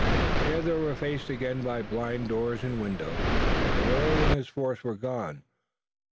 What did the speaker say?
Here, they were faced again by blind doors and windows, but Early and his force were gone.